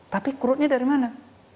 tapi crudenya dari mana